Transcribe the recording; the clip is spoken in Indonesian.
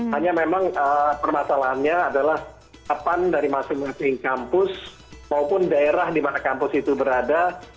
hanya memang permasalahannya adalah kapan dari masing masing kampus maupun daerah di mana kampus itu berada